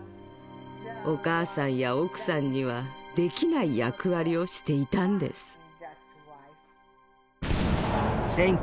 お母さんや奥さんにはできない役割をしていたんです。